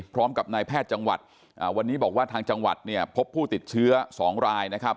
พร้อมกับนายแพทย์จังหวัดวันนี้บอกว่าทางจังหวัดเนี่ยพบผู้ติดเชื้อ๒รายนะครับ